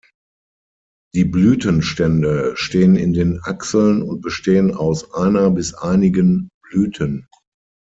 Die Blütenstände stehen in den Achseln und bestehen aus einer bis einigen Blüten.